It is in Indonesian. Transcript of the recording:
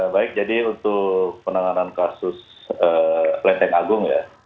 baik jadi untuk penanganan kasus lenteng agung ya